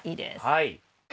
はい。